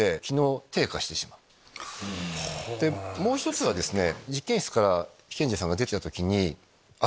もう１つはですね。